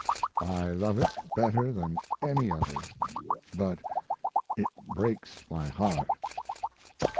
I love it better than any other, but it breaks my heart.